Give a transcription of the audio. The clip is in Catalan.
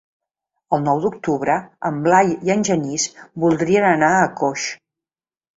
El nou d'octubre en Blai i en Genís voldrien anar a Coix.